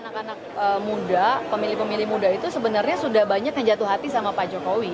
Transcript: pemilih pemilih muda itu sebenarnya sudah banyak yang jatuh hati sama pak jokowi